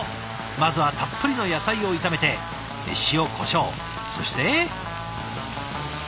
まずはたっぷりの野菜を炒めて塩こしょうそして。